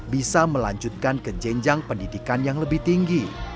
bisa melanjutkan ke jenjang pendidikan yang lebih tinggi